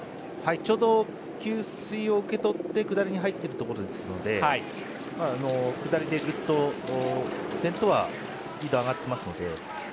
ちょうど給水を受け取って下りに入っているところなので下りで、ぐっと先頭のスピードは上がっていますので。